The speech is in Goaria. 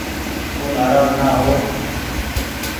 تو نآراز نآ هو ۔